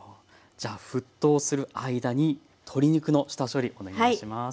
じゃ沸騰する間に鶏肉の下処理お願いします。